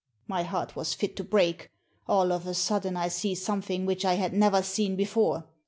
My heart was fit to break. All of a sudden I see something which I had never seen before.